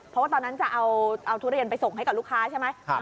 เพราะว่าตอนนั้นจะเอาทุเรียนไปส่งให้กับลูกค้าใช่ไหม